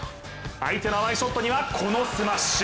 相手の甘いショットにはこのスマッシュ。